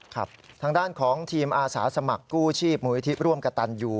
ทางด้านของทีมอาสาสมัครกู้ชีพมูลนิธิร่วมกระตันอยู่